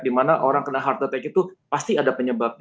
dimana orang kena heart attack itu pasti ada penyakit